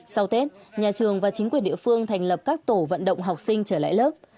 sau tết nhà trường và chính quyền địa phương thành lập các tổ vận động học sinh trở lại lớp